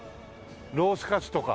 ロースカツとか。